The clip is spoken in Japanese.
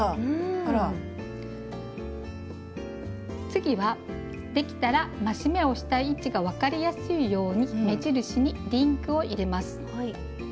次はできたら増し目をした位置が分かりやすいように目印にリングを入れます。